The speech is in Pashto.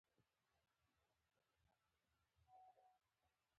پښتون یو سوله خوښوونکی قوم دی.